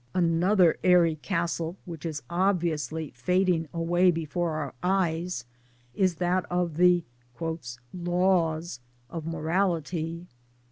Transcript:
Another airy castle which' is obviously fading away before our eyes is that of the " Laws " of Morality.